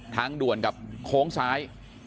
ทางด่วนกับโค้งซ้าย